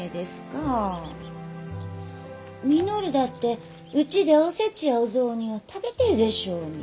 稔だってうちでお節やお雑煮を食べてえでしょうに。